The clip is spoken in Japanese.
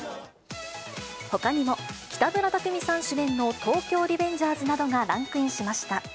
ほかにも、北村匠海さん主演の東京リベンジャーズなどがランクインしました。